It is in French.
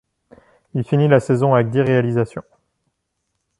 Il finit la saison avec dix réalisations.